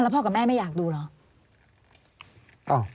พ่อกับแม่ไม่อยากดูเหรอ